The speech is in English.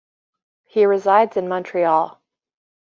He resides in Montreal.